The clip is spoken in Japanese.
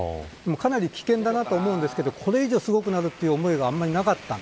かなり危険だと思うんですけどこれ以上すごくなるという思いがあんまりなかった。